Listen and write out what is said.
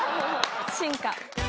進化。